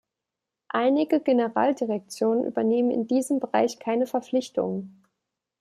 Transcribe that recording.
Einige Generaldirektionen übernehmen in diesem Bereich keine Verpflichtungen.